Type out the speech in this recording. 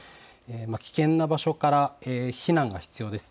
危険な場所から避難が必要です。